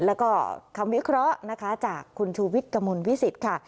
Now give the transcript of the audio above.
แล้วก็คำวิเคราะห์จากคุณชูวิทย์กมลวิสิทธิ์ค่ะ